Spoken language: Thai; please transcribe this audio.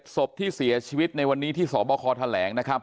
ศพที่เสียชีวิตในวันนี้ที่สบคแถลงนะครับ